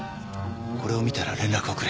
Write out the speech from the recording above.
「これを見たら連絡をくれ。